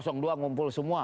dua ngumpul semua